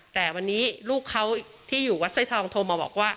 แต่วันนี้ลูกเขาที่อยู่วัดสร้อยทองโทรมาบอกว่า